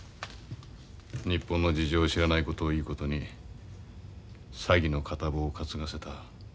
日本の事情を知らないことをいいことに詐欺の片棒を担がせた。